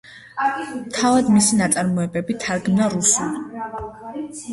თავად მისი ნაწარმოებები თარგმნა რუსულ.